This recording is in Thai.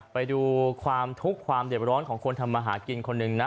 ไปดูความทุกข์ความเด็ดร้อนของคนทำมาหากินคนหนึ่งนะ